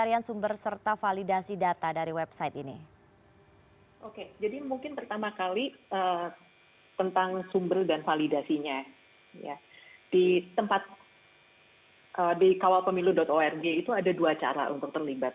di website di kawalpemilu org itu ada dua cara untuk terlibat